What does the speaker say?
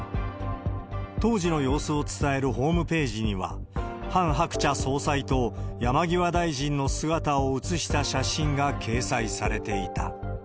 当時の様子を伝えるホームページには、ハン・ハクチャ総裁と、山際大臣の姿を写した写真が掲載されていた。